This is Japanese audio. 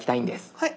はい。